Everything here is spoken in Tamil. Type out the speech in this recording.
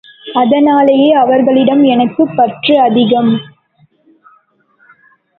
அதனாலேயே அவர்களிடம் எனக்குப் பற்று அதிகம்.